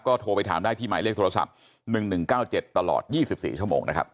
โทรไปถามได้ที่หมายเลขโทรศัพท์๑๑๙๗ตลอด๒๔ชั่วโมงนะครับ